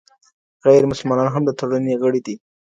غيرمسلمانان هم د ټولنې غړي دي.